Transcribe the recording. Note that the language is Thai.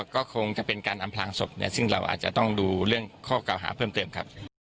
ก็คงจะเป็นการอำพลางศพซึ่งเราอาจจะต้องดูเรื่องข้อเก่าหาเพิ่มเติมครับ